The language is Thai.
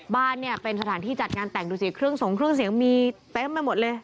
บ้านเนี่ยเป็นสถานที่จัดงานแต่งดูสิเครื่องสงเครื่องเสียงมีเต็มไปหมดเลย